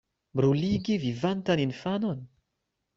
Bruligi vivantan infanon!